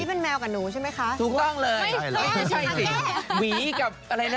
ที่เป็นแมวกับหนูใช่มั้ยคะ